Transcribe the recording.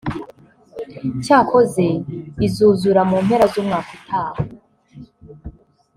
cyokoze izuzura mu mpera z’umwaka utaha